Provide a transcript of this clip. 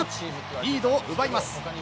リードを奪います。